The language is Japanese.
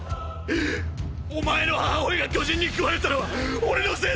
お前の母親が巨人に食われたのは俺のせいだ！！